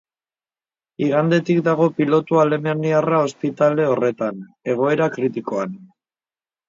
Igandetik dago pilotu alemaniarra ospitale horretan, egoera kritikoan.